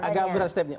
agak berat stepnya